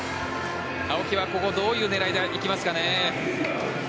青木はここどういう狙いでいきますかね？